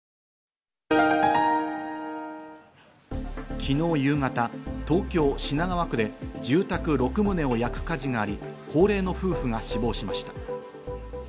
昨日夕方、東京・品川区で住宅６棟を焼く火事があり高齢の夫婦が死亡しました。